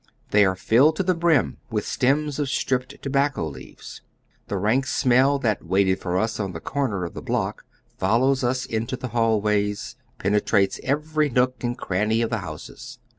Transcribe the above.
They are filled to the brim with the stems of stripped tobacco leaves. The rank smell that waited for ns on the corner of the block follows us into the hallways, penetrates every nook and cranny of the houses.